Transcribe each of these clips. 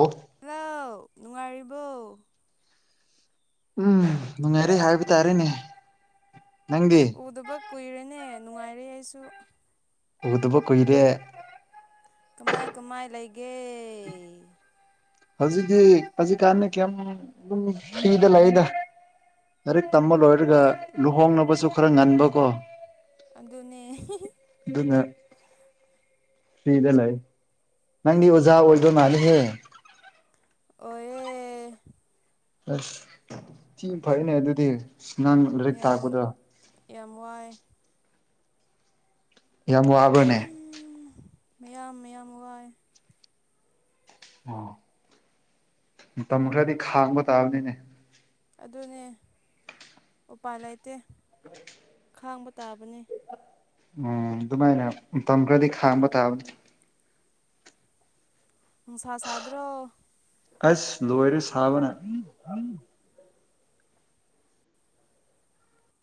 of hello ꯅꯨꯡꯉꯥꯏꯔꯤꯕꯣ ꯎꯝ ꯅꯨꯡꯉꯥꯏꯔꯦ ꯍꯥꯏꯕ ꯇꯥꯔꯦꯅꯦ ꯅꯪꯒꯤ ꯄꯨꯗꯕ ꯀꯨꯏꯔꯦꯅꯦ ꯅꯨꯡꯉꯥꯏꯔꯦ ꯑꯩꯁꯨ ꯎꯗꯕ ꯀꯨꯏꯔꯦ ꯀꯃꯥꯏ ꯀꯃꯥꯏ ꯂꯩꯒꯦ ꯍꯧꯖꯤꯛꯀꯤ ꯍꯧꯖꯤꯛꯀꯥꯟꯅ ꯀꯌꯥꯝ ꯑꯗꯨꯝ ꯐ꯭ꯤꯗ ꯂꯩꯗ ꯂꯥꯏꯔꯤꯛ ꯇꯝꯕ ꯂꯣꯏꯔꯒ ꯂꯨꯍꯣꯡꯅꯕꯁꯨ ꯈꯔ ꯉꯟꯕꯀꯣ ꯑꯗꯨꯅꯦ ꯑꯗꯨꯅꯦ ꯐꯗ ꯂꯩ ꯅꯪꯗꯤ ꯑꯣꯖꯥ ꯑꯣꯏꯗꯣꯏ ꯃꯥꯜꯂꯦꯍꯦ ꯑꯣꯏꯑꯦ ꯑꯁ ꯊꯤ ꯐꯩꯅꯦ ꯑꯗꯨꯗꯤ ꯅꯍꯥꯡ ꯂꯥꯏꯔꯤꯛ ꯌꯥꯝ ꯇꯥꯛꯄꯗꯣ ꯌꯥꯝ ꯋꯥꯏ ꯌꯥꯝ ꯋꯥꯕꯅꯦ ꯃꯌꯥꯝ ꯃꯌꯥꯝ ꯋꯥꯏ ꯑ ꯃꯇꯝ ꯈꯔꯗꯤ ꯈꯥꯡꯕ ꯇꯥꯕꯅꯤꯅꯦ ꯑꯗꯨꯅꯦ ꯎꯄꯥꯏ ꯂꯩꯇꯦ ꯑꯣ ꯈꯥꯡꯕ ꯇꯥꯕꯅꯤ ꯎꯝ ꯑꯗꯨꯃꯥꯏꯅ ꯇꯝꯈ꯭ꯔꯗꯤ ꯈꯥꯡꯕ ꯇꯥꯕ ꯃꯅꯨꯡꯁꯥ ꯁꯥꯗ꯭ꯔ ꯑꯁ ꯂꯣꯏꯔꯦ ꯁꯥꯕꯅ ꯍꯪ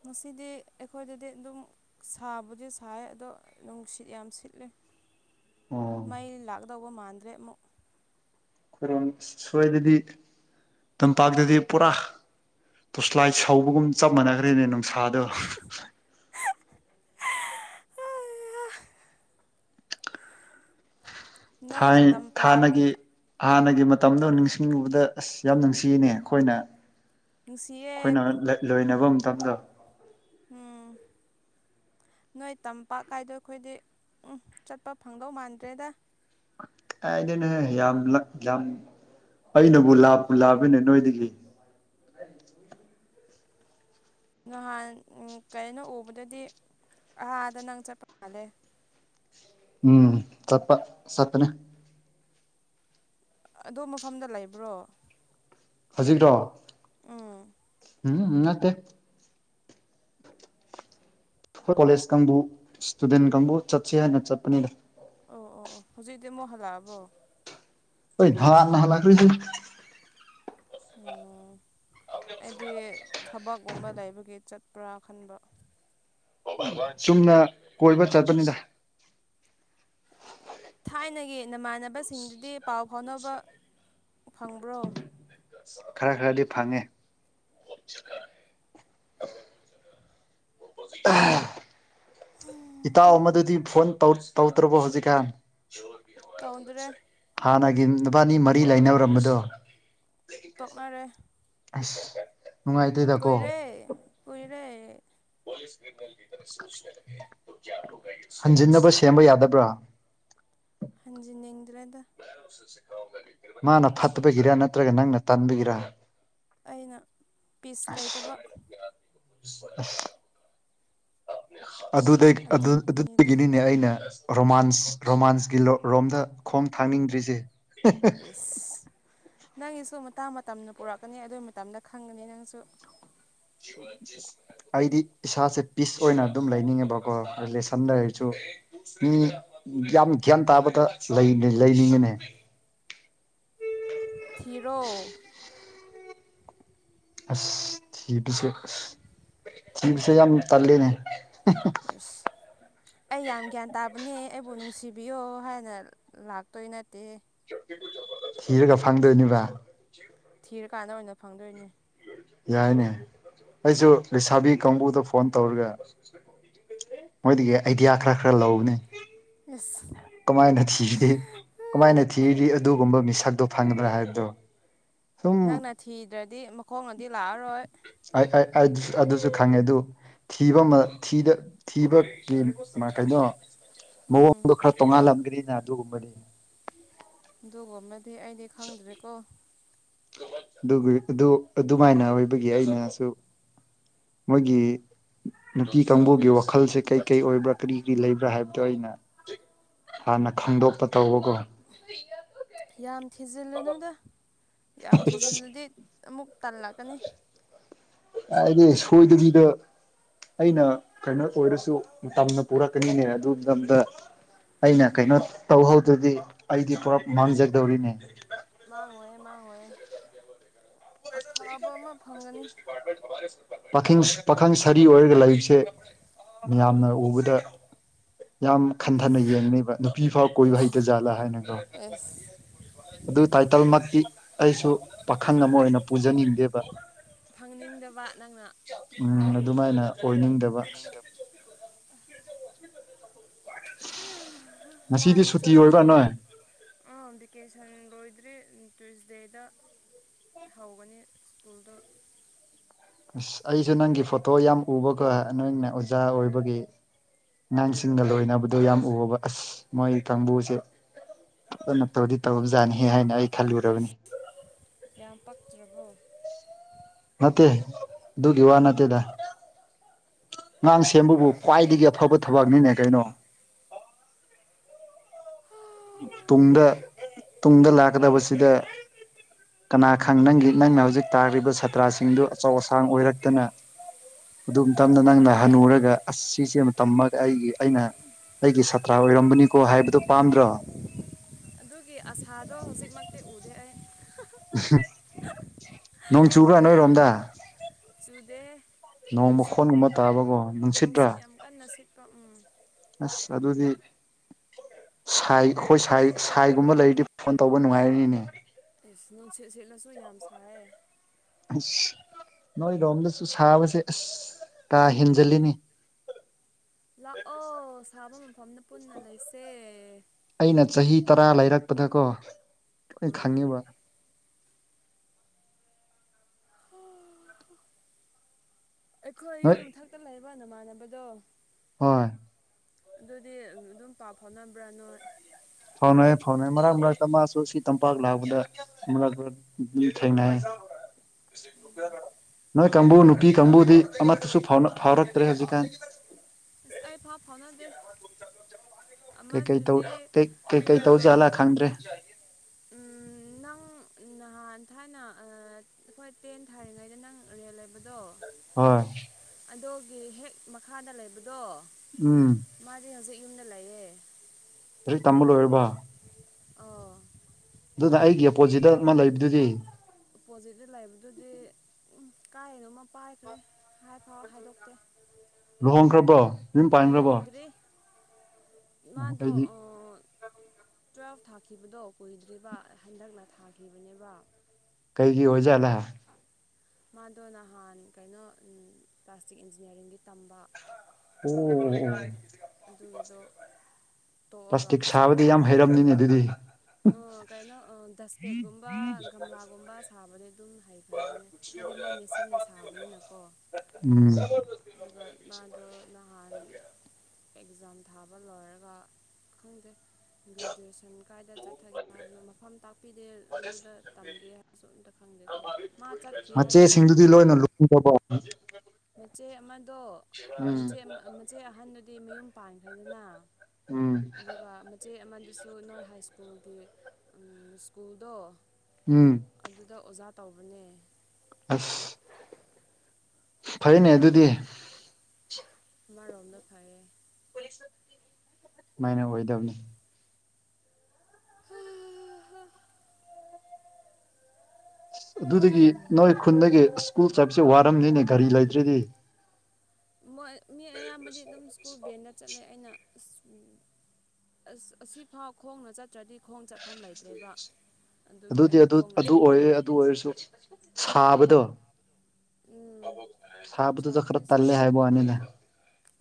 ꯉꯁꯤꯗꯤ ꯑꯩꯈꯣꯏꯗꯗꯤ ꯑꯗꯨꯝ ꯁꯥꯕꯨꯗꯤ ꯁꯥꯏ ꯑꯗꯣ ꯅꯨꯡꯁꯤꯠ ꯌꯥꯝ ꯁꯤꯠꯂꯤꯦ ꯑꯣ ꯃꯩ ꯑꯩꯈꯣꯏꯔꯣꯝ ꯂꯥꯛꯗꯧꯕ ꯃꯥꯟꯗ꯭ꯔꯦꯛ ꯑꯩꯈꯣꯏꯔꯣꯝ ꯁꯣꯏꯗꯗꯤ ꯇꯝꯄꯥꯛꯇꯗꯤ ꯄꯨꯔꯥ ꯇꯣꯁꯂꯥꯏ ꯁꯧꯕꯒꯨꯝ ꯆꯞ ꯃꯥꯟꯅꯈ꯭ꯔꯦꯅꯦ ꯅꯨꯡꯁꯥꯗꯣ ꯅꯣꯏ ꯊꯥꯏ ꯇꯝꯄꯥꯛ ꯊꯥꯟꯅꯒꯤ ꯍꯥꯟꯅꯒꯤ ꯃꯇꯝꯗꯣ ꯅꯤꯡꯁꯤꯡꯉꯕꯗ ꯑꯁ ꯌꯥꯝ ꯅꯨꯡꯁꯤꯅꯦ ꯑꯩꯈꯣꯏꯅ ꯅꯨꯡꯁꯤꯌꯦ ꯑꯩꯈꯣꯏꯅ ꯂꯣꯏꯅꯕ ꯃꯇꯝꯗ ꯎꯝ ꯅꯣꯏ ꯇꯝꯄꯥꯛ ꯀꯥꯏꯗꯣ ꯑꯩꯈꯣꯏꯗꯤ ꯎꯝ ꯆꯠꯄ ꯐꯪꯗꯧ ꯃꯥꯟꯗ꯭ꯔꯦꯗ ꯑꯩꯗꯅꯦ ꯌꯥꯝ ꯌꯥꯝ ꯑꯩꯅꯕꯨ ꯂꯥꯕꯅꯦ ꯅꯣꯏꯗꯒꯤ ꯅꯍꯥꯟ ꯎꯝ ꯀꯩꯅꯣ ꯎꯕꯗꯗꯤ ꯑꯍꯥꯗ ꯅꯪ ꯆꯠꯄ ꯃꯥꯥꯜꯂꯦ ꯎꯝ ꯆꯄ ꯆꯠꯄꯅꯦ ꯑꯗꯣ ꯃꯐꯝꯗ ꯂꯩꯕ꯭ꯔꯣ ꯍꯧꯖꯤꯛꯔꯣ ꯎꯝ ꯎꯝ ꯅꯠꯇꯦ ꯑꯩꯈꯣꯏ ꯀꯣꯂꯦꯖ ꯀꯥꯡꯕꯨ ꯏꯁꯇꯨꯗꯦꯟ ꯀꯥꯡꯕꯨ ꯆꯠꯁꯤ ꯍꯥꯏꯅ ꯆꯠꯄꯅꯤꯅ ꯑꯣ ꯑꯣ ꯑꯣ ꯍꯧꯖꯤꯛꯗꯤ ꯑꯃꯨꯛ ꯍꯜꯂꯛꯑꯕꯣ ꯑꯣꯏ ꯅꯍꯥꯟꯅ ꯍꯜꯂꯛꯈ꯭ꯔꯦꯁꯤ ꯑꯣ ꯑꯩꯗꯤ ꯊꯕꯛꯒꯨꯝꯕ ꯂꯩꯕꯒꯤ ꯆꯠꯄ꯭ꯔꯥ ꯈꯟꯕ ꯆꯨꯝꯅ ꯀꯣꯏꯕ ꯆꯠꯄꯅꯤꯗ ꯊꯥꯏꯅꯒꯤ ꯅꯃꯥꯟꯅꯕꯁꯤꯡꯗꯨꯗꯤ ꯄꯥꯎ ꯐꯥꯎꯅꯕ ꯐꯪꯕ꯭ꯔꯣ ꯈꯔ ꯈꯔꯗꯤ ꯐꯪꯉꯦ [inaudible] ꯏꯇꯥꯎ ꯑꯃꯗꯨꯗꯤ ꯐꯣꯟ ꯇꯧ ꯇꯧꯗ꯭ꯔꯕꯣ ꯍꯧꯖꯤꯛꯀꯥꯟ ꯇꯧꯗ꯭ꯔꯦ ꯍꯥꯟꯅꯒꯤ ꯅꯨꯕꯥꯅꯤ ꯃꯔꯤ ꯂꯩꯅꯔꯝꯕꯗꯣ ꯇꯣꯛꯅꯔꯦ ꯑꯁ ꯅꯨꯡꯉꯥꯏꯇꯦꯗꯀꯣ ꯀꯨꯏꯔꯦ ꯀꯨꯏꯔꯦ ꯍꯟꯖꯤꯟꯅꯕ ꯁꯦꯝꯕ ꯌꯥꯗꯕ꯭ꯔꯥ ꯍꯟꯖꯤꯟꯅꯤꯡꯗ꯭ꯔꯦꯗ ꯃꯥꯅ ꯐꯠꯇꯕꯒꯤꯔ ꯅꯠꯇ꯭ꯔꯒ ꯅꯪꯅ ꯇꯟꯥꯕꯒꯤꯔ ꯑꯩꯅ ꯄꯤꯁ ꯂꯩꯇꯕ [inaudible] ꯑꯗꯨꯗꯩ ꯑꯗꯨ ꯑꯗꯨꯒꯤꯅꯤꯗ ꯑꯗꯨꯗꯒꯤꯅꯤꯅꯦ ꯑꯩꯅ ꯔꯣꯃꯥꯟꯁ ꯔꯣꯃꯥꯟꯁꯀꯤ ꯂꯣꯝ ꯔꯣꯝꯗ ꯈꯣꯡ ꯊꯥꯡꯅꯤꯡꯗ꯭ꯔꯤꯁꯦ ꯏꯁ ꯅꯪꯒꯤꯁꯨ ꯃꯇꯥꯡ ꯃꯇꯝꯅ ꯄꯨꯔꯛꯀꯅꯤ ꯑꯗꯨꯏ ꯃꯇꯝꯗ ꯈꯪꯒꯅꯤ ꯅꯪꯁꯨ [unintelligible] ꯑꯩꯗꯤ ꯏꯁꯥꯁꯦ ꯄꯤꯁ ꯑꯣꯏꯅ ꯑꯗꯨꯝ ꯂꯩꯅꯤꯡꯉꯦꯕꯀꯣ ꯔꯤꯂꯦꯁꯟ ꯂꯩꯔꯁꯨ ꯃꯤ ꯌꯥꯝ ꯒ꯭ꯌꯥꯟ ꯇꯥꯕꯗ ꯂꯩ ꯂꯩꯅꯤꯡꯉꯤꯅꯦ ꯊꯤꯔꯣ ꯑꯁ ꯊꯤꯕꯁꯦ ꯊꯤꯕꯁꯦ ꯌꯥꯝ ꯇꯜꯂꯦꯅꯦ ꯏꯁ ꯑꯩ ꯌꯥꯝ ꯒ꯭ꯌꯥꯟ ꯇꯥꯕꯅꯦ ꯑꯩꯕꯨ ꯅꯨꯡꯁꯤꯕꯤꯌꯣ ꯍꯥꯏꯅ ꯂꯥꯛꯇꯣꯏ ꯅꯠꯇꯦꯍꯦ ꯊꯤꯔꯒ ꯐꯪꯗꯣꯏꯅꯤꯕꯥ ꯊꯤꯔꯀꯥꯟꯗ ꯑꯣꯏꯅ ꯐꯪꯗꯣꯏꯅꯦ ꯌꯥꯏꯅꯦ ꯑꯩꯁꯨ ꯂꯩꯁꯥꯕꯤ ꯀꯥꯡꯕꯨꯗ ꯐꯣꯟ ꯇꯧꯔꯒ [unintelligible] ꯃꯣꯏꯗꯒꯤ ꯑꯥꯏꯗꯤꯌꯥ ꯈꯔ ꯈꯔ ꯂꯧꯕꯅꯦ ꯑꯦꯁ ꯀꯃꯥꯏꯅ ꯊꯤꯔꯤ ꯀꯃꯥꯏꯅ ꯊꯤꯔꯥꯗꯤ ꯑꯗꯨꯒꯨꯝꯕ ꯃꯤꯁꯛꯇꯣ ꯐꯪꯒꯗ꯭ꯔꯥ ꯍꯥꯏꯕꯗꯣ ꯁꯨꯝ ꯅꯪꯅ ꯊꯤꯗ꯭ꯔꯗꯤ ꯃꯈꯣꯡꯅꯗꯤ ꯂꯥꯛꯑꯔꯣꯏ [unintelligible] ꯑꯗꯨꯁꯨ ꯈꯪꯉꯦ ꯑꯗꯨ ꯊꯤꯕꯃꯥ ꯊꯤꯗ ꯊꯤꯕꯒꯤ ꯀꯩꯅꯣ ꯎꯝ ꯃꯑꯣꯡꯗꯣ ꯈꯔ ꯇꯣꯡꯉꯥꯜꯂꯝ ꯔꯤꯅꯥ ꯑꯗꯨꯒꯨꯝꯕꯅꯤ ꯑꯗꯨꯒꯨꯝꯕꯗꯤ ꯑꯩꯗꯤ ꯈꯪꯗ꯭ꯔꯦꯀꯣ ꯑꯗꯨꯒꯤ ꯑꯗꯨ ꯑꯗꯨꯃꯥꯏꯅ ꯑꯣꯏꯕꯒꯤ ꯑꯩꯅꯁꯨ ꯃꯣꯏꯒꯤ ꯅꯨꯄꯤ ꯀꯥꯡꯕꯨꯒꯤ ꯋꯥꯈꯜꯁꯦ ꯀꯩ ꯀꯩ ꯑꯣꯏꯕ꯭ꯔꯥ ꯀꯔꯤ ꯀꯔꯤ ꯂꯩꯕ꯭ꯔꯥ ꯍꯥꯏꯕꯗꯣ ꯑꯩꯅ ꯍꯥꯟꯅ ꯈꯪꯗꯣꯛꯄ ꯇꯧꯕꯀꯣ ꯌꯥꯝ ꯊꯤꯖꯤꯜꯂꯨꯅꯨꯗ ꯌꯥꯝ ꯊꯤꯖꯤꯜꯂꯗꯤ ꯑꯃꯨꯛ ꯇꯜꯂꯛꯀꯅꯤ ꯍꯥꯏꯗꯤ ꯁꯣꯏꯗꯕꯤꯗ ꯑꯩꯅ ꯀꯩꯅꯣ ꯑꯣꯏꯔꯁꯨ ꯇꯝꯅ ꯄꯨꯔꯛꯀꯅꯤꯅꯦ ꯑꯗꯨ ꯃꯇꯝꯗ ꯑꯩꯅ ꯀꯩꯅꯣ ꯇꯧꯍꯧꯗ꯭ꯔꯗꯤ ꯑꯩꯗꯤ ꯄꯨꯂꯞ ꯃꯥꯡꯖꯗꯧꯔꯤꯅꯦ ꯃꯥꯡꯉꯣꯏꯦ ꯃꯥꯡꯉꯣꯏꯦ ꯑꯐꯕ ꯑꯃ ꯐꯪꯒꯅꯤ ꯄꯥꯈꯪ ꯄꯥꯈꯪ ꯁꯥꯔꯤ ꯑꯣꯏꯔꯒ ꯂꯩꯕꯁꯦ ꯃꯤꯌꯥꯝꯅ ꯎꯕꯗ ꯌꯥꯝ ꯈꯟꯊꯅ ꯌꯦꯡꯅꯦꯕ ꯅꯨꯄꯤ ꯐꯥꯎ ꯀꯣꯏꯕ ꯑꯦꯁ ꯍꯩꯇꯖꯥꯠꯂꯥ ꯍꯥꯏꯅꯗꯣ ꯑꯦꯁ ꯑꯗꯨ ꯇꯥꯏꯇꯜꯃꯛꯇꯤ ꯑꯩꯁꯨ ꯄꯥꯈꯪ ꯑꯃ ꯑꯣꯏꯅ ꯄꯨꯖꯅꯤꯡꯗꯦꯕ ꯐꯪꯅꯤꯡꯗꯕ ꯅꯪꯅ ꯎꯝ ꯑꯗꯨꯃꯥꯏꯅ ꯑꯣꯏꯅꯤꯡꯗꯕ ꯉꯁꯤꯗꯤ ꯂꯥꯏꯅ ꯁꯨꯇꯤ ꯑꯣꯏꯕ꯭ꯔꯥ ꯅꯣꯏ ꯆꯥꯟꯕꯤꯔꯗꯤ ꯑꯥ ꯚꯦꯀꯦꯁꯟ ꯂꯣꯏꯗ꯭ꯔꯔꯤ ꯇ꯭ꯋꯨꯁꯗꯦꯗ ꯍꯧꯒꯅꯤ ꯁ꯭ꯀꯨꯜꯗ ꯑꯁ ꯑꯩꯁꯨ ꯅꯪꯒꯤ ꯐꯣꯇꯣ ꯌꯥꯝ ꯎꯕꯀꯣ ꯅꯣꯏꯅ ꯑꯣꯖꯥ ꯑꯣꯏꯕꯒꯤ ꯑꯉꯥꯡꯁꯤꯡꯒ ꯂꯣꯏꯅꯕꯗꯣ ꯌꯥꯝ ꯎꯕ ꯑꯁ ꯃꯣꯏ ꯀꯥꯡꯕꯨꯁꯦ ꯑꯗꯨꯅ ꯇꯧꯗꯤ ꯇꯧ ꯖꯥꯠꯅꯤ ꯍꯥꯏꯅ ꯑꯩ ꯈꯜꯂꯨꯔꯕꯅꯤ ꯌꯥꯝ ꯄꯛꯇ꯭ꯔꯕꯣ ꯅꯠꯇꯦ ꯑꯗꯨꯗꯨꯒꯤ ꯋꯥ ꯅꯠꯇꯦꯗ ꯑꯉꯥꯡ ꯁꯦꯝꯕꯕꯨ ꯈ꯭ꯋꯥꯏꯗꯒꯤ ꯑꯐꯕ ꯊꯕꯛꯅꯤꯅꯦ ꯀꯩꯅꯣ ꯇꯨꯡꯗ ꯇꯨꯡꯗ ꯂꯥꯛꯀꯗꯕꯁꯤꯗ ꯀꯅꯥ ꯈꯪ ꯅꯪꯒꯤ ꯅꯪꯅ ꯍꯧꯖꯤꯛ ꯇꯥꯂꯤꯔꯤꯕ ꯁꯥꯇ꯭ꯔꯥꯁꯤꯡꯗꯨ ꯑꯆꯧ ꯑꯁꯥꯡ ꯑꯣꯏꯔꯛꯇꯅ ꯑꯗꯨ ꯃꯇꯝꯗ ꯅꯪꯅ ꯍꯟꯅꯨꯔꯒ ꯑꯁ ꯁꯤꯁꯦ ꯑꯃ ꯇꯝꯃꯒ ꯑꯩꯒꯤ ꯑꯩꯅ ꯑꯩꯒꯤ ꯁꯥꯇ꯭ꯔ ꯑꯣꯏꯔꯝꯕꯅꯤꯀꯣ ꯍꯥꯏꯕꯗꯨꯣ ꯄꯥꯝꯗ꯭ꯔꯣ ꯑꯗꯨꯒꯤ ꯑꯁꯥꯗꯣ ꯍꯧꯖꯤꯛꯃꯛꯇꯤ ꯎꯗꯦ ꯑꯩ ꯅꯣꯡ ꯆꯨꯒ꯭ꯔ ꯅꯣꯏꯔꯣꯝꯗ ꯆꯨꯗ ꯅꯣꯡ ꯅꯨꯡꯁꯤꯠ ꯃꯈꯣꯟꯒꯨꯝꯕ ꯇꯥꯕꯀꯣ ꯅꯨꯡꯁꯤꯠꯇ꯭ꯔꯥ ꯅꯨꯡꯁꯤꯠ ꯌꯥꯝ ꯀꯟꯅ ꯁꯤꯠꯄ ꯎꯝ ꯑꯁ ꯑꯗꯨ ꯑꯗꯨꯗꯤ ꯁꯥꯏ ꯍꯣꯏ ꯁꯥꯏ ꯁꯥꯏꯒꯨꯝꯕ ꯂꯩꯔꯤꯗꯤ ꯐꯣꯟ ꯇꯧꯕ ꯅꯨꯡꯉꯥꯏꯔꯅꯤꯅꯦ ꯑꯦꯁ ꯅꯨꯡꯁꯤꯠ ꯁꯤꯠꯂꯁꯨ ꯌꯥꯝ ꯁꯥꯏꯌꯦ ꯑꯁ ꯅꯣꯏꯔꯣꯝꯗꯁꯨ ꯁꯥꯕꯁꯦ ꯑꯁ ꯇꯥ ꯍꯦꯟꯖꯤꯜꯂꯤꯅꯤ ꯂꯥꯛꯑꯣ ꯁꯥꯕ ꯃꯐꯝꯗ ꯄꯨꯟꯅ ꯂꯩꯁꯦ ꯑꯩꯅ ꯆꯍꯤ ꯇꯔꯥ ꯂꯩꯔꯛꯄꯗꯀꯣ ꯂꯣꯏ ꯎꯝ ꯈꯪꯉꯤꯕ ꯑꯩꯈꯣꯏ ꯅꯣꯏ ꯌꯨꯝ ꯃꯊꯛꯇ ꯂꯩꯕ ꯅꯃꯥꯟꯅꯕꯗꯣ ꯍꯣꯏ ꯑꯗꯨꯗꯤ ꯑꯗꯨꯝ ꯄꯥꯎ ꯐꯥꯎꯅꯕ꯭ꯔꯥ ꯅꯣꯏ ꯐꯣꯟꯅꯌꯦ ꯐꯥꯎꯅꯏ ꯃꯔꯛ ꯃꯔꯛꯇ ꯃꯥꯁꯨ ꯁꯤ ꯇꯝꯄꯥꯛ ꯂꯥꯛꯄꯗ ꯊꯅ ꯅꯣꯏ ꯀꯥꯡꯕꯨ ꯅꯨꯄꯤ ꯀꯥꯡꯕꯨꯗꯤ ꯑꯃꯠꯇꯁꯨ ꯐꯥꯎꯔꯛꯇ꯭ꯔꯦ ꯍꯧꯖꯤꯛꯀꯥꯟ ꯏꯁꯁ ꯑꯩ ꯐꯥꯎ ꯐꯥꯎꯅꯗꯦ ꯀꯩꯀꯩ ꯇꯧ ꯑꯃꯗꯨꯗꯤ ꯀꯩꯀꯩ ꯑꯥ ꯇꯧꯖꯂꯥ ꯈꯪꯗ꯭ꯔꯦ ꯅꯪ ꯅꯍꯥꯟ ꯊꯥꯏꯅ ꯑꯩꯈꯣꯏ ꯇꯦꯟ ꯊꯥꯔꯤꯉꯩꯗ ꯅꯪ ꯑꯌꯥ ꯂꯩꯕꯗꯣ ꯍꯣꯏ ꯑꯗꯨꯣꯒꯤ ꯍꯦꯛ ꯃꯈꯥꯗ ꯂꯩꯕꯗꯣ ꯎꯝ ꯃꯥꯗꯤ ꯍꯧꯖꯤꯛ ꯌꯨꯝꯗ ꯂꯩꯌꯦꯦ ꯂꯔꯤꯛ ꯇꯝꯕ ꯂꯣꯏꯔꯕ ꯑꯣ ꯑꯗꯨꯅ ꯑꯩꯒꯤ ꯑꯄꯣꯠꯁꯤꯗ ꯑꯃ ꯂꯩꯕꯗꯨꯗꯤ ꯑꯣꯄꯣꯖꯤꯠꯇ ꯂꯩꯕꯗꯨꯗꯤ ꯎ ꯀꯥꯏꯅꯣꯃ ꯄꯥꯏꯈ꯭ꯔꯦ ꯍꯥꯏꯐꯥꯎ ꯍꯥꯏꯗꯣꯛꯇꯦ ꯂꯨꯍꯣꯡꯈ꯭ꯔꯕꯣ ꯌꯨꯝ ꯄꯥꯟꯈ꯭ꯔꯕꯣ ꯂꯨꯍꯣꯡꯗ꯭ꯔꯤ ꯃꯥꯗꯣ ꯑꯩꯗꯤ ꯇꯨꯋꯦꯜꯐ ꯊꯥꯈꯤꯕꯗꯣ ꯀꯨꯏꯗ꯭ꯔꯤꯕ ꯍꯟꯗꯛꯅ ꯊꯥꯈꯤꯕꯅꯦꯕ ꯀꯩꯒꯤ ꯑꯣꯏꯖꯠꯂ ꯃꯥꯗꯣ ꯅꯍꯥꯟ ꯀꯩꯅꯣ ꯄ꯭ꯂꯥꯁꯇꯤꯛ ꯏꯟꯖꯤꯅꯤꯌꯥꯔꯤꯡꯒꯤ ꯇꯝꯕ ꯎꯝ ꯑꯗꯨꯒꯤꯗꯣ ꯇꯣꯛꯑꯒ ꯄ꯭ꯂꯥꯁꯇꯤꯛ ꯁꯥꯕꯗꯤ ꯌꯥꯝ ꯍꯩꯔꯝꯅꯤꯅꯦ ꯑꯗꯨꯗꯤ ꯑꯣ ꯀꯩꯅꯣ ꯗꯁꯄꯦꯠꯒꯨꯝꯕ ꯒꯝꯂꯥꯒꯨꯝꯕ ꯁꯥꯕꯗꯤ ꯑꯗꯨꯝ ꯍꯩꯈ꯭ꯔꯕꯅꯦ ꯍꯥꯏꯗꯤ ꯃꯣꯏ ꯃꯦꯆꯤꯟꯅ ꯁꯥꯕꯅꯤꯅꯀꯣ ꯎꯝ ꯑꯗꯨꯒ ꯃꯥꯗꯣ ꯅꯍꯥꯟ ꯑꯦꯛꯖꯥꯝ ꯊꯥꯕ ꯂꯣꯏꯔꯒ ꯈꯪꯗꯦ ꯒ꯭ꯔꯦꯖꯨꯑꯦꯁꯟ ꯀꯥꯏꯗ ꯆꯠꯊꯒꯦ ꯍꯥꯏꯕꯗꯣ ꯃꯐꯝ ꯇꯥꯛꯄꯤꯗꯦ ꯑꯗꯨꯗ ꯇꯝꯒꯦ ꯍꯥꯏꯕꯁꯨ ꯑꯝꯇ ꯈꯪꯗꯦꯀꯣ ꯃꯥ ꯆꯠꯈꯤ ꯍꯥꯏꯕ ꯐꯥꯎ ꯃꯆꯦꯁꯤꯡꯗꯨꯗꯤ ꯈꯪꯒꯦ ꯂꯣꯏꯅ ꯂꯨꯝꯈ꯭ꯔꯕꯣ ꯃꯆꯦ ꯑꯃꯗꯣ ꯎꯝ ꯃꯆꯦ ꯃꯆꯦ ꯑꯍꯟꯗꯨꯗꯤ ꯃꯌꯨꯝ ꯄꯥꯟꯈ꯭ꯔꯦꯗꯅ ꯎꯝ ꯑꯗꯨꯒ ꯃꯆꯦ ꯑꯃꯗꯨꯁꯨ ꯅꯣꯏ ꯍꯥꯏ ꯁ꯭ꯀꯨꯜꯒꯤ ꯁ꯭ꯀꯨꯜꯗꯣ ꯎꯝ ꯑꯗꯨꯗ ꯑꯣꯖꯥ ꯇꯧꯕꯅꯦ ꯑꯁ ꯐꯩꯅꯦ ꯑꯗꯨꯗꯤ ꯃꯥꯔꯣꯝꯗ ꯐꯩꯌꯦ ꯁꯨꯃꯥꯏꯅ ꯑꯣꯏꯗꯕꯅꯤ ꯍ ꯍꯥ ꯑꯗꯨꯗꯒꯤ ꯅꯣꯏ ꯈꯨꯟꯗꯒꯤ ꯁ꯭ꯀꯨꯜ ꯆꯠꯄꯁꯦ ꯋꯥꯔꯝꯅꯤꯅꯦ ꯒꯥꯔꯤ ꯂꯩꯇ꯭ꯔꯦꯗꯤ ꯃꯣꯏ ꯃꯤ ꯑꯌꯥꯝꯕꯗꯤ ꯑꯗꯨꯝ ꯁ꯭ꯀꯨꯜ ꯕꯦꯟꯗ ꯆꯠꯂꯦ ꯑꯩꯅ ꯑꯁ ꯑꯁ ꯑꯁꯤꯐꯥꯎ ꯈꯣꯡꯅ ꯆꯠꯇ꯭ꯔꯗꯤ ꯈꯣꯡ ꯆꯠ ꯃꯐꯝ ꯂꯩꯇ꯭ꯔꯦꯕ ꯑꯗꯨꯒꯤ ꯑꯗꯨꯗꯤ ꯑꯩꯅ ꯑꯗꯨ ꯈꯣꯡꯅ ꯑꯗꯨ ꯆꯠꯀꯦꯅ [unintelligible] ꯁꯥꯕꯗꯣ ꯎꯝ ꯁꯥꯕꯗꯨꯗ ꯈꯔ ꯁꯥꯕꯨꯗꯤ ꯇꯜꯂꯦ ꯁꯥꯏ ꯍꯥꯏꯕ ꯋꯥꯅꯤꯅꯦ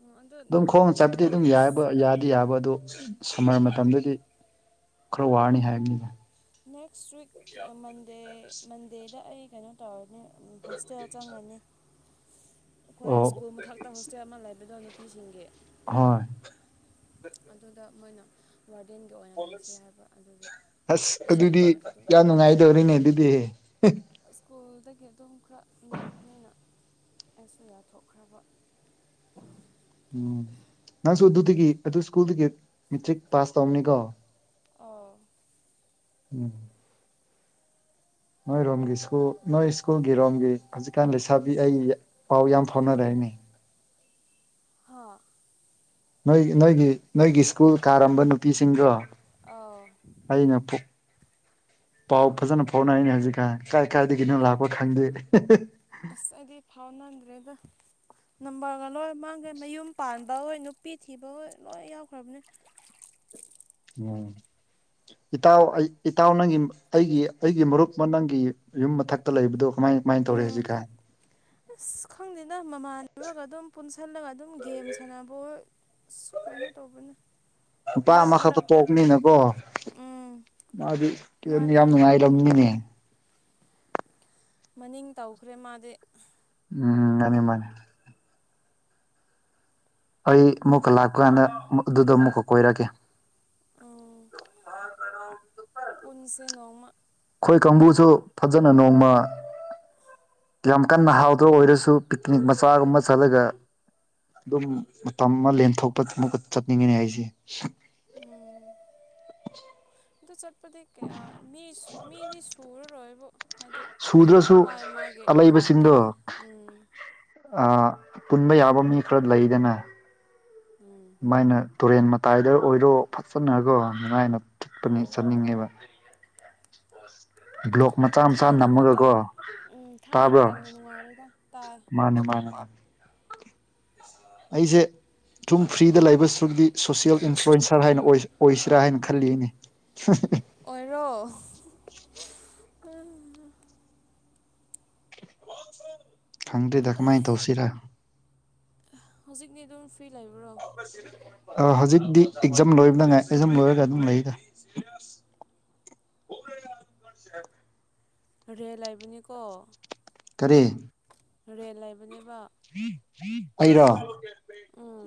ꯎꯝ ꯑꯗꯣ ꯑꯗꯨꯝ ꯈꯣꯡꯅ ꯆꯠꯄꯗꯤ ꯑꯗꯨꯝ ꯅꯦꯛꯁ ꯌꯥꯏꯌꯦꯕ ꯌꯥꯗꯤ ꯌꯥꯕ ꯑꯗꯣ ꯁꯝꯃꯔ ꯎꯝ ꯃꯇꯝꯗꯗꯤ ꯈꯔ ꯋꯥꯔꯅꯤ ꯍꯥꯏꯕꯅꯤꯅ ꯅꯦꯛꯁ ꯋꯤꯛ ꯃꯟꯗꯦ ꯃꯟꯗꯦꯗ ꯑꯩ ꯀꯩꯅꯣ ꯎꯝ ꯍꯣꯁꯇꯦꯜ ꯆꯪꯉꯅꯤ ꯑꯩꯈꯣꯏ ꯑꯣ ꯁ꯭ꯀꯨꯜ ꯃꯊꯛ ꯍꯣꯁꯇꯦꯜ ꯑꯃ ꯂꯩꯕꯗꯣ ꯅꯨꯄꯤꯁꯤꯡꯒꯤ ꯍꯣꯏ ꯑꯗꯨꯗ ꯃꯣꯏꯅ ꯋꯥꯔꯗꯦꯡꯒ ꯑꯁ ꯑꯗꯨꯗꯤ ꯑꯁꯤꯗꯅ ꯑꯗꯨꯝ ꯌꯥꯝ ꯅꯨꯡꯉꯥꯏꯗꯧꯔꯤꯅꯦ ꯑꯗꯨꯗꯤ ꯁ꯭ꯀꯨꯜꯗꯒꯤ ꯑꯗꯨꯝ ꯈꯔ ꯅꯛꯄꯅꯤꯅ ꯑꯩꯁꯨ ꯌꯥꯊꯣꯛꯈ꯭ꯔꯕ ꯅꯪꯁꯨ ꯑꯗꯨꯗꯒꯤ ꯑꯗꯨ ꯁ꯭ꯀꯨꯜꯗꯒꯤ ꯃꯦꯇ꯭ꯔꯤꯛ ꯄꯥꯁ ꯇꯧꯕꯅꯤꯀꯣ ꯑꯥꯎ [inaudible] ꯅꯣꯏꯔꯣꯝꯒꯤ ꯁꯀꯨꯜ ꯅꯣꯏ ꯁ꯭ꯀꯨꯜꯒꯤ ꯔꯣꯝꯒꯤ ꯍꯧꯖꯤꯛꯀꯥꯟ ꯂꯩꯁꯥꯕꯤ ꯑꯩ ꯄꯥꯎ ꯌꯥꯝ ꯐꯥꯎꯅꯔꯦ ꯍꯥꯏꯅꯦ ꯍꯥ ꯅꯣꯏ ꯅꯣꯏꯒꯤ ꯅꯣꯏꯒꯤ ꯁ꯭ꯀꯨꯜ ꯀꯥꯔꯝꯕ ꯅꯨꯄꯤꯁꯤꯡꯗꯣ ꯑꯧ ꯑꯩꯅ ꯄ ꯄꯥꯎ ꯐꯖꯅ ꯐꯥꯎꯅꯩꯅꯦ ꯍꯧꯖꯤꯛꯀꯥꯟ ꯀꯥꯏ ꯀꯥꯏꯗꯒꯤꯅꯣ ꯂꯥꯛꯄ ꯈꯪꯗꯦ ꯑꯁ ꯑꯩꯗꯤ ꯐꯥꯎꯅꯗ꯭ꯔꯦꯗ ꯅꯝꯕꯔꯒ ꯂꯣꯏ ꯃꯥꯡꯈ꯭ꯔꯦ ꯃꯌꯨꯝ ꯄꯥꯟꯕ ꯍꯣꯏ ꯅꯨꯄꯤ ꯊꯤꯕ ꯍꯣꯏ ꯂꯣꯏ ꯌꯥꯎꯈ꯭ꯔꯕꯅꯤ ꯎꯝ ꯏꯇꯥꯎ ꯑꯩ ꯏꯇꯥꯎ ꯅꯪꯒꯤ ꯑꯩꯒꯤ ꯑꯩꯒꯤ ꯃꯔꯨꯞ ꯑꯃ ꯅꯪꯒꯤ ꯌꯨꯝ ꯃꯊꯛꯇ ꯂꯩꯕꯗꯣ ꯀꯃꯥꯏ ꯀꯃꯥꯏꯅ ꯇꯧꯔꯦ ꯎꯝ ꯍꯧꯖꯤꯛꯀꯥꯟ ꯑꯁ ꯈꯪꯗꯦꯗ ꯃꯃꯥꯟꯅꯕꯒ ꯑꯗꯨꯝ ꯄꯨꯟꯁꯤꯜꯂꯒ ꯑꯗꯨꯝ ꯒꯦꯝ ꯁꯥꯟꯅꯕꯑꯣ ꯑꯁ ꯀꯩꯅꯣ ꯇꯧꯕꯅꯤ ꯅꯨꯄꯥ ꯑꯃꯈꯛꯇ ꯄꯣꯛꯄꯅꯤꯅꯀꯣ ꯎꯝ ꯃꯥꯗꯤ ꯃꯥꯅꯦ ꯌꯥꯝ ꯅꯨꯡꯉꯥꯏ [unintelligible] ꯅꯤꯅꯦ ꯃꯅꯤꯡ ꯇꯧꯈ꯭ꯔꯦ ꯃꯥꯗꯤ ꯎꯝ ꯃꯥꯅꯤ ꯃꯥꯅꯤ ꯑꯩ ꯑꯃꯨꯛꯀ ꯈꯔ ꯂꯥꯛꯄ ꯀꯥꯟꯗ ꯑꯃꯨꯛ ꯑꯗꯨꯗ ꯑꯃꯨꯛꯀ ꯀꯣꯏꯔꯛꯒꯦ ꯎꯝ ꯄꯨꯟꯁꯦ ꯅꯣꯡꯃ ꯑꯩꯈꯣꯏ ꯀꯥꯡꯕꯨꯁꯨ ꯐꯖꯅ ꯅꯣꯡꯃ ꯌꯥꯝ ꯀꯟꯅ ꯍꯥꯎꯗꯕ ꯑꯣꯏꯔꯁꯨ ꯄꯤꯛꯅꯤꯛ ꯃꯆꯥꯒꯨꯝꯕ ꯆꯠꯂꯒ ꯑꯗꯨꯝ ꯃꯇꯝ ꯑꯃ ꯂꯦꯟꯊꯣꯛꯄꯗꯤ ꯑꯃꯨꯛꯀ ꯆꯠꯅꯤꯡꯉꯤꯅꯦ ꯑꯩꯁꯦ ꯎꯝ ꯑꯗꯣ ꯆꯠ ꯄꯗꯤ ꯀꯌꯥ ꯃꯤꯁꯨ ꯃꯤꯗꯤ ꯁꯨꯔꯔꯣꯏꯕꯣ ꯍꯥꯏꯗꯤ ꯁꯨꯗ꯭ꯔꯁꯨ ꯃꯥꯏ ꯃꯥꯏꯒꯤ ꯂꯥꯏꯟꯗ ꯂꯣꯏ ꯎꯝ ꯑ ꯄꯨꯟꯕ ꯌꯥꯕ ꯃꯤ ꯈꯔ ꯂꯩꯗꯅ ꯎꯝ ꯃꯥꯏꯅ ꯇꯨꯔꯦꯟ ꯃꯇꯥꯏꯗ ꯑꯣꯏꯔꯣ ꯐꯠꯖꯅꯀꯣ ꯑꯗꯨꯃꯥꯏꯅ ꯄꯅꯤ ꯎꯝ ꯆꯠꯅꯤꯡꯉꯦꯕ ꯕ꯭ꯂꯣꯛ ꯃꯆꯥ ꯃꯆꯥ ꯊꯥꯏꯅ ꯃꯇꯝ ꯅꯝꯃꯒꯀꯣ ꯎꯝ ꯊꯥꯏꯅ ꯇꯥꯕ꯭ꯔꯣ ꯃꯇꯝꯅ ꯅꯨꯡꯉꯥꯏꯔꯦꯗ ꯇꯥꯏ ꯃꯥꯅꯤ ꯃꯥꯅꯤ ꯃꯥꯅꯤ ꯑꯩꯁꯦ ꯁꯨꯝ ꯐ꯭ꯔꯤꯗ ꯂꯩꯕ [unintelligible] ꯁꯣꯁꯤꯌꯦꯜ ꯏꯟꯐ꯭ꯂꯨꯌꯦꯟꯁꯔ ꯍꯥꯏꯅ ꯑꯣꯏꯖ ꯑꯣꯏꯁꯤꯔꯥ ꯍꯥꯏꯅ ꯈꯜꯂꯤꯌꯦꯅꯦ ꯑꯣꯏꯔꯣ [unintelligible] ꯈꯪꯗ꯭ꯦꯗ ꯀꯃꯥꯏꯅ ꯇꯧꯁꯤꯔꯥ ꯍꯧꯖꯤꯛꯅꯤ ꯑꯗꯨꯝ ꯐ꯭ꯔꯤ ꯂꯩꯕ꯭ꯔꯣ ꯍꯧꯖꯤꯛꯇꯤ ꯑꯦꯛꯖꯥꯝ ꯂꯣꯏꯕꯅꯉꯥꯏ ꯑꯦꯛꯖꯥꯝ ꯂꯣꯏꯔꯒ ꯑꯗꯨꯝ ꯂꯩꯗ ꯔꯦꯜꯥꯏꯅꯤ ꯀꯣ ꯀꯔꯤ ꯔꯦꯜ ꯂꯩꯕꯅꯦꯕ ꯑꯩꯔꯣ ꯎꯝ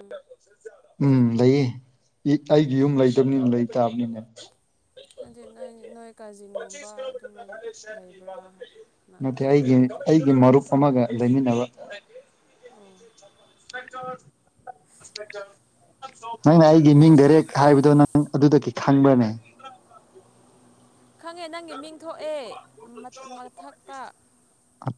ꯎꯝ ꯂꯩꯌꯦ ꯑꯩꯒꯤ ꯌꯨꯝ ꯂꯩꯇꯕꯅꯤꯅ ꯂꯩ ꯇꯥꯕꯅꯤꯅꯦ ꯅ ꯂꯩꯕ꯭ꯔꯥꯅ ꯃ ꯈꯟꯕ ꯑꯩꯒꯤ ꯑꯩꯗꯤ ꯑꯩꯒꯤ ꯃꯔ ꯊꯃꯒ ꯃꯤꯟꯕ ꯑꯣ ꯃ ꯅꯪꯅ ꯑꯩꯒꯤ ꯃꯤꯡ ꯗꯥꯏꯔꯦꯛ ꯍꯥꯏꯕꯗꯣ ꯅꯪ ꯑꯗꯨꯗꯒꯤ ꯐꯪꯕꯅꯦ ꯈꯪꯉꯦ ꯅꯪꯒꯤ ꯃꯤꯡ ꯊꯣꯛꯑꯦ ꯃꯊꯛꯇ ꯑꯠ